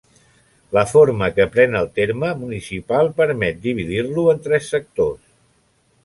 La forma que pren el terme municipal permet dividir-lo en tres sectors.